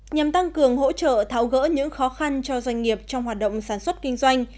nhằm tăng cường hỗ trợ tháo gỡ những khó khăn cho doanh nghiệp trong hoạt động sản xuất kinh doanh